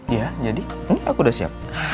iya jadi ini aku udah siap